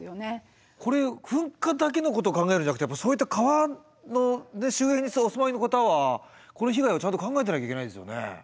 これ噴火だけのことを考えるんじゃなくてやっぱそういった川の周辺にお住まいの方はこの被害をちゃんと考えてなきゃいけないですよね。